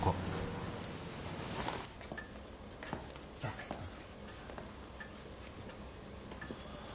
さあどうぞ。